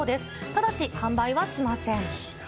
ただし、販売はしません。